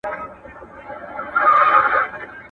انګرېزانو ګمان کاوه.